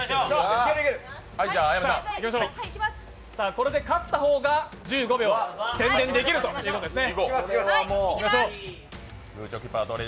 これで勝った方が１５秒宣伝できるということですね。